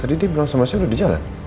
tadi dia bilang sama saya sudah di jalan